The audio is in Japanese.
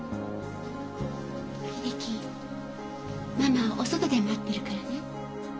ママお外で待ってるからね。